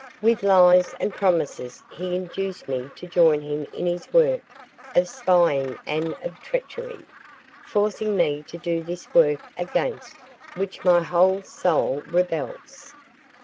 With lies and promises he induced me to join him in his work of spying and of treachery, forcing me to do this work against which my whole soul rebels.